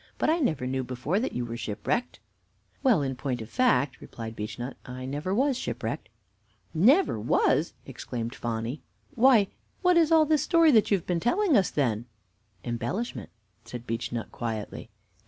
said Phonny. "But I never knew before that you were shipwrecked." "Well, in point of fact," replied Beechnut, "I never was shipwrecked." "Never was!" exclaimed Phonny. "Why, what is all this story that you have been telling us, then?" "Embellishment," said Beechnut quietly.